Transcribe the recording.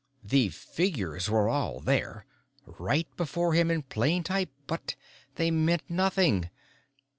The figures were all there, right before him in plain type. But they meant nothing.